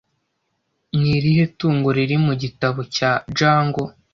Ni irihe tungo riri mu gitabo cya Jungle